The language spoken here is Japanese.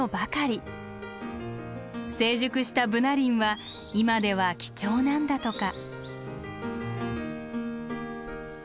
成熟したブナ林は今では貴重なんだとか。